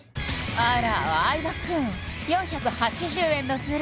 あら相葉くん４８０円のズレ